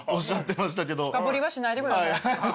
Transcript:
深掘りはしないでください。